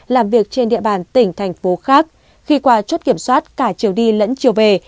làm việc trên địa bàn tỉnh thành phố khác khi qua chốt kiểm soát cả chiều đi lẫn chiều về